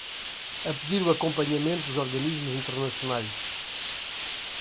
A pedir o acompanhamento dos organismos internacionais